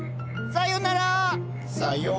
さようなら。